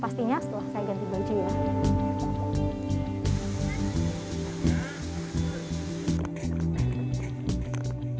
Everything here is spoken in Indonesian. pastinya setelah saya ganti baju ya